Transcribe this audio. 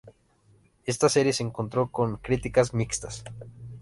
Esta serie se encontró con críticas mixtas.